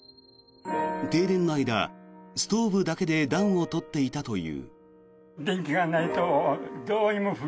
停電の間、ストーブだけで暖を取っていたという。